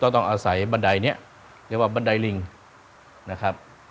ต้องอาศัยบันไดนี้เรียกว่าบันไดลิงนะครับ